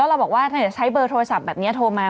เราบอกว่าถ้าเกิดใช้เบอร์โทรศัพท์แบบนี้โทรมา